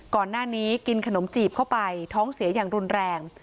ก่อนหน้านี้กินขนมจีบเข้าไปท้องเสียอย่างรุนแรง